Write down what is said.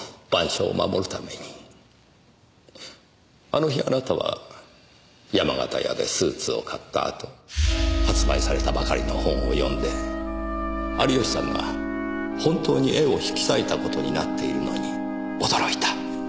あの日あなたは山形屋でスーツを買ったあと発売されたばかりの本を読んで有吉さんが本当に絵を引き裂いたことになっているのに驚いた。